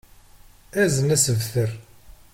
Azen asebter.